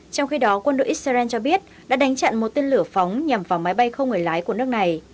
trong khi đó quân đội israel cho biết đã đánh chặn một tên lửa phóng nhằm vào máy bay không người lái của nước này